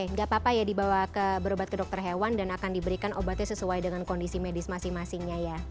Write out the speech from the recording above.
nggak apa apa ya dibawa ke berobat ke dokter hewan dan akan diberikan obatnya sesuai dengan kondisi medis masing masingnya ya